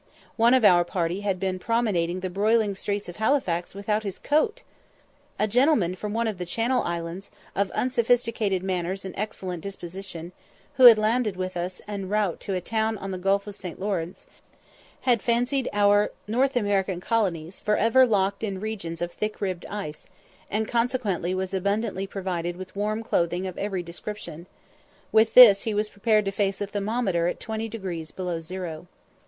One of our party had been promenading the broiling streets of Halifax without his coat! A gentleman from one of the Channel Islands, of unsophisticated manners and excellent disposition, who had landed with us en route to a town on the Gulf of St. Lawrence, had fancied our North American colonies for ever "locked in regions of thick ribbed ice," and consequently was abundantly provided with warm clothing of every description. With this he was prepared to face a thermometer at twenty degrees below zero.